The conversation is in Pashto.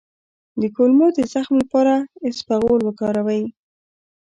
د کولمو د زخم لپاره اسپغول وکاروئ